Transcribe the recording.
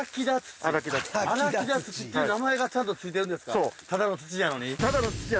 荒木田土っていう名前がちゃんと付いてるんですか。